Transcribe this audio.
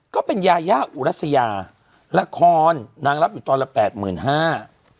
ก็เป็นยาอูลัสสายาละครนางรับอยู่ตอนละ๘๕๐๐๐เนาะ